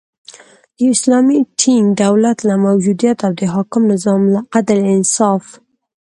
د یو اسلامی ټینګ دولت له موجودیت او د حاکم نظام له عدل، انصاف